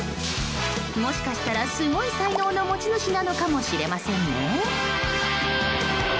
もしかしたら、すごい才能の持ち主なのかもしれませんね。